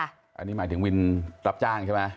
อันนี้หมายถึงวินรับจ้างใช่ไหม